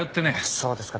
そうですか。